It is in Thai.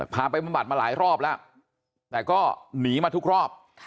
ไปบำบัดมาหลายรอบแล้วแต่ก็หนีมาทุกรอบ